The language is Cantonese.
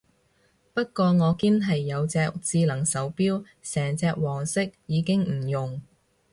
不過我堅係有隻智能手錶，成隻黃色已經唔用